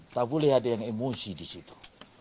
tak boleh ada yang emosi di situ